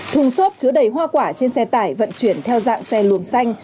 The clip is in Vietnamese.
thùng xốp chứa đầy hoa quả trên xe tải vận chuyển theo dạng xe luồng xanh